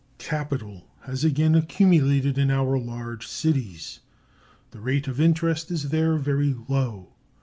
Capital has again accumulated in our large cities. The rate of interest is there very low.